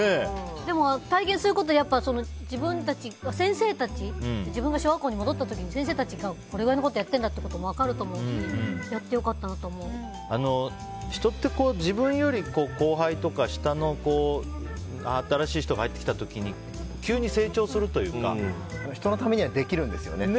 でも、体験することで自分が小学校に戻った時に先生たちがこれぐらいのことをやってるんだって分かると思うし人って、自分より後輩とか下の子新しい人が入ってきた時に人のためにはできるんですよね。